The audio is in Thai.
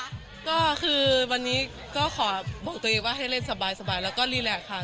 ก็คือวันนี้คือวันนี้ก็คอบอกตัวเองว่าให้เล่นสบายแล้วก็รแรคค่ะ